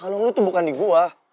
kalung lu tuh bukan di gue